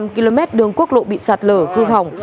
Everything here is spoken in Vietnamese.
hai mươi năm km đường quốc lộ bị sạt lở hư hỏng